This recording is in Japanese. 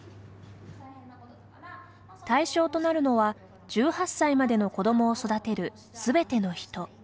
対象となるのは、１８歳までの子どもを育てる全ての人。